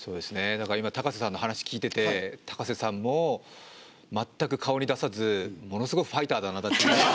だから今高瀬さんの話聞いてて高瀬さんも全く顔に出さずものすごいファイターだなっていう。